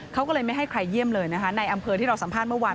เขาก็เลยไม่ให้ใครเยี่ยมเลยนะคะในอำเภอที่เราสัมภาษณ์เมื่อวาน